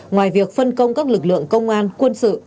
ngoài việc phân công các lực lượng công an quân sự